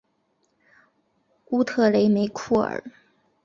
乌特雷梅库尔。